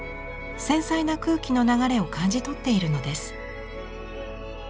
繊細な空気の流れを感じとっているのです。